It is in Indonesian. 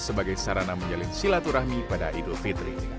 sebagai sarana menjalin silaturahmi pada idul fitri